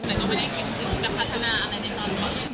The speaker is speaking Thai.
แต่ก็ไม่ได้คิดถึงจะพัฒนาอะไรในตอนนี้